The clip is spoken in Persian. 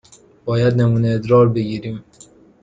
باید نمونه ادرار بگیریم.